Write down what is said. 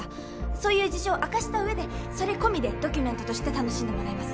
そういう事情を明かした上でそれ込みでドキュメントとして楽しんでもらいます。